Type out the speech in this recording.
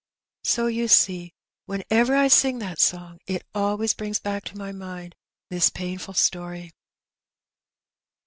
So you see when ever I sing that song it always brings back to my mind this painful story."